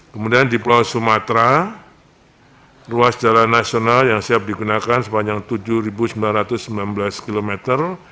kemudian di pulau sumatera ruas jalan nasional yang siap digunakan sepanjang tujuh sembilan ratus sembilan belas kilometer